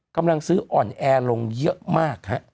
กำลังซื้ออ่อนแอลงเยอะมากฮะ